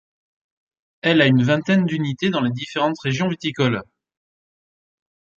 Elle a une vingtaine d'unités dans les différentes régions viticoles.